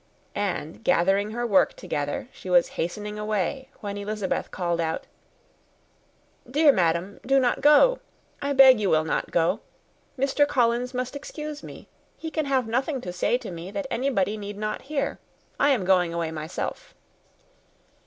And gathering her work together, she was hastening away, when Elizabeth called out, "Dear ma'am, do not go. I beg you will not go. Mr. Collins must excuse me. He can have nothing to say to me that anybody need not hear. I am going away myself."